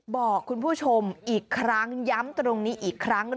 บอกคุณผู้ชมอีกครั้งย้ำตรงนี้อีกครั้ง